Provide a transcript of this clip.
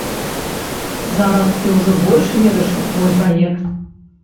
Зараз ты ўжо больш верыш у свой праект?